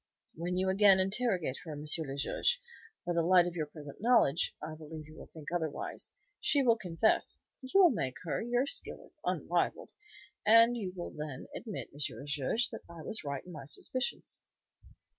"When you again interrogate her, M. le Juge, by the light of your present knowledge, I believe you will think otherwise. She will confess, you will make her, your skill is unrivalled, and you will then admit, M. le Juge, that I was right in my suspicions."